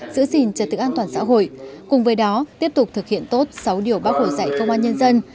giữ gìn trật tự an toàn xã hội cùng với đó tiếp tục thực hiện tốt sáu điều bác hồ dạy công an nhân dân